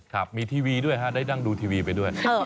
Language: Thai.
ครับมีทีวีด้วยฮะได้นั่งดูทีวีไปด้วย